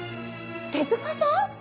手塚さん？